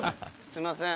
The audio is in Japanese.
「すいません」